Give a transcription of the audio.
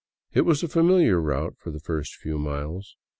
It was a familiar route for the first few miles.